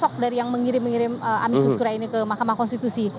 sok dari yang mengirim mengirim amikus kure ini ke mahkamah konstitusi